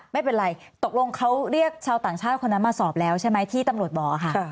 ไม่เป็นไรตกลงเขาเรียกชาวต่างชาติคนนั้นมาสอบแล้วใช่ไหมที่ตำรวจบอกค่ะ